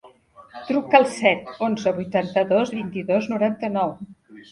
Truca al set, onze, vuitanta-dos, vint-i-dos, noranta-nou.